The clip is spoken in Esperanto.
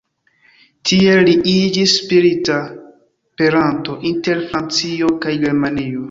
Tie li iĝis spirita peranto inter Francio kaj Germanio.